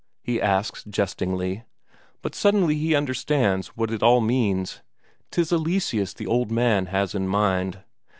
he asks jestingly. But suddenly he understands what it all means: 'tis Eleseus the old man has in mind.